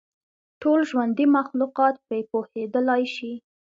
ټول ژوندي مخلوقات پرې پوهېدلای شي.